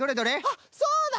あっそうだ！